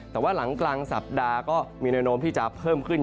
แต่ว่าหลังกลางสัปดาห์ก็มีแนวโน้มที่จะเพิ่มขึ้น